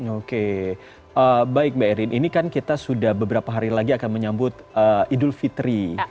oke baik mbak erin ini kan kita sudah beberapa hari lagi akan menyambut idul fitri